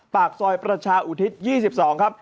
ปากซอยประชาอุทิศ๒๒ครับ